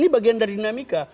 ini bagian dari dinamika